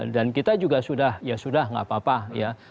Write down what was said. dan kita juga sudah ya sudah nggak apa apa ya